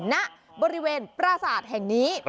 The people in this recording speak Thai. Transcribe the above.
ณบริเวณปราศาสตร์แห่งนี้